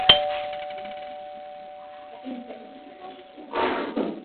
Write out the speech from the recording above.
Miaka ya mwisho Qatar imejihusisha na siasa ya Mashariki ya Kati